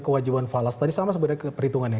kewajiban falas tadi sama sebenarnya ke perhitungannya